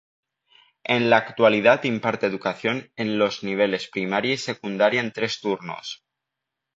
En la actualidad imparte educación en los niveles primaria y secundaria en tres turnos.